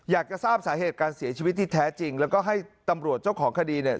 อยากจะทราบสาเหตุการเสียชีวิตที่แท้จริงแล้วก็ให้ตำรวจเจ้าของคดีเนี่ย